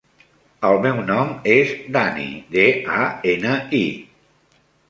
El meu nom és Dani: de, a, ena, i.